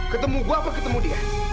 ketemu gue apa ketemu dia